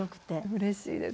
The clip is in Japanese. うれしいです。